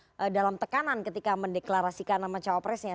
jadi tidak dalam tekanan ketika mendeklarasikan sama cawapresnya